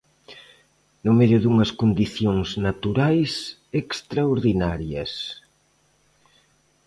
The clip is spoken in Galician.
No medio dunhas condicións naturais extraordinarias.